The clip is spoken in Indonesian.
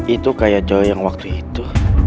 itu kayak cowok yang waktu itu